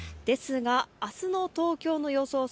ですがあすの東京の予想